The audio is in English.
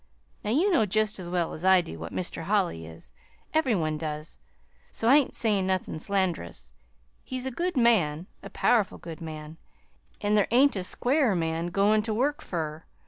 Now, you know jest as well as I do what Mr. Holly is every one does, so I ain't sayin' nothin' sland'rous. He's a good man a powerful good man; an' there ain't a squarer man goin' ter work fur.